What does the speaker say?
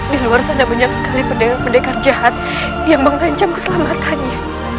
di luar sana banyak sekali pendekar jahat yang mengancam keselamatannya